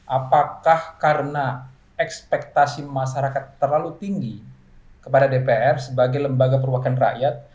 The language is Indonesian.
apakah karena ekspektasi masyarakat terlalu tinggi kepada dpr sebagai lembaga perwakilan rakyat